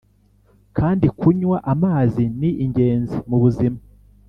kandi kunywa amazi ni ingenzi mu buzima,